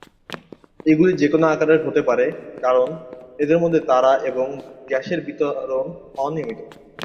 এগুলি যে কোনও আকারের হতে পারে, কারণ এদের মধ্যে তারা এবং গ্যাসের বিতরণ অনিয়মিত।